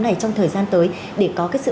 này trong thời gian tới để có cái sự